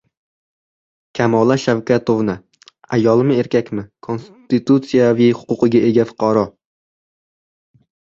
Kamola Shavkatovna: "Ayolmi, erkakmi, konstitusiyaviy huquqiga ega fuqaro"